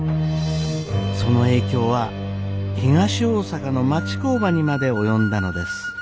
その影響は東大阪の町工場にまで及んだのです。